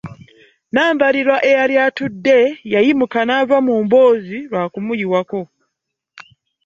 Nambalirwa eyali atudde yayimuka n'ava mu mboozi olw'okumuyiwako